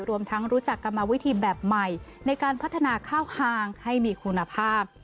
รวมทั้งรู้จักกรรมวิธีแบบใหม่ในการพัฒนาข้าวคางให้มีคุณภาพ